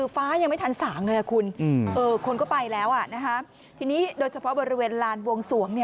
ฟ้ายังไม่ทันสางเลยคุณคนก็ไปแล้วทีนี้โดยเฉพาะบริเวณลานบวงสวง